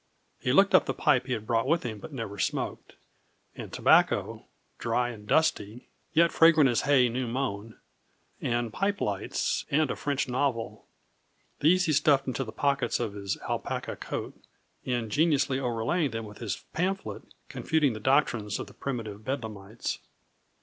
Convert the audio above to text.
He looked up the pipe he had brought with him but never smoked, and tobacco dry and dusty, yet fragrant as hay new mown, and pipe lights, and a French novel; these he stuffed into the pockets of his alpaca coat, ingeniously overlaying them with his pamphlet confuting the doctrines of the Primitive Bedlamites.